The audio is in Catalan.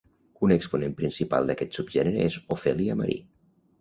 Un exponent principal d'aquest subgènere és Ophelia Marie.